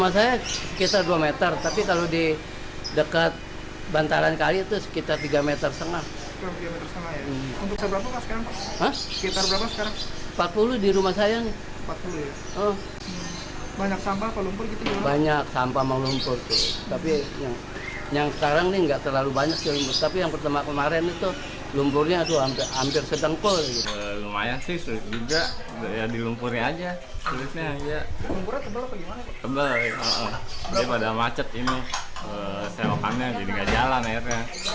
sejumlah warga yang tersebut dikumpulkan oleh pemerintah dan pemerintah yang tersebut dikumpulkan oleh pemerintah yang tersebut